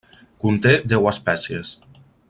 Conté deu espècies.